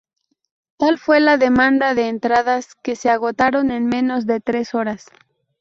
Tal fue la demanda de entradas, que se agotaron en menos de tres horas.